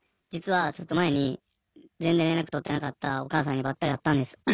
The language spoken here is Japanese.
実はちょっと前に全然連絡取ってなかったお母さんにバッタリ会ったんです。